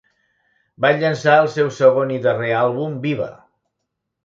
Van llançar el seu segon i darrer àlbum Viva!